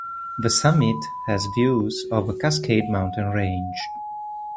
The summit has views of the Cascade Mountain Range.